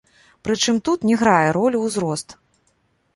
Прычым тут не грае ролю ўзрост.